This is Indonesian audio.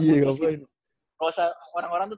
kalau orang orang tuh